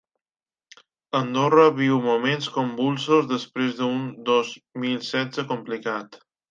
Andorra viu moments convulsos després d’un dos mil setze complicat.